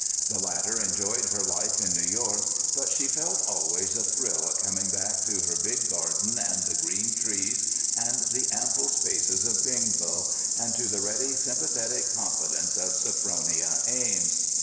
The latter enjoyed her life in New York, but she felt always a thrill at coming back to her big garden and the green trees and the ample spaces of Bingville, and to the ready, sympathetic confidence of Sophronia Ames.